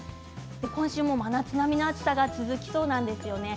今週も真夏並みの暑さが続きそうなんですよね。